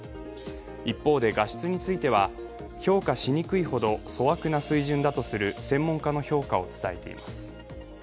一方で、画質については評価しにくいほど粗悪な水準だとする専門家の評価を伝えています。